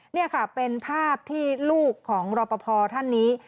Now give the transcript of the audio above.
นี่ค่ะเป็นภาพที่ลูกของรอปภท่านนี้